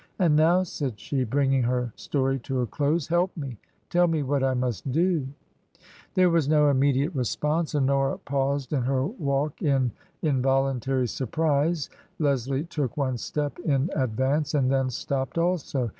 " And now," said she, bringing her story to a close, " help me ! Tell me what I must do !" There was no immediate response. Honora paused in her walk in involuntary surprise. Leslie took one step in advance and then stopped also.